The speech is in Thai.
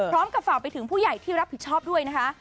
พร้อมกับฝ่าไปถึงผู้ใหญ่ที่รับผิดชอบด้วยนะคะ